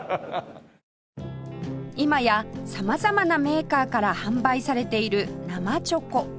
今や様々なメーカーから販売されている生チョコ